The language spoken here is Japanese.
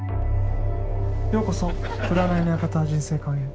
ようこそ占いの館「人生館」へ。